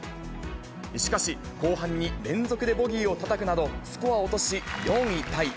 しかし、後半に連続でボギーをたたくなど、スコアを落とし、４位タイ。